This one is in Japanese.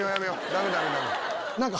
ダメダメダメ！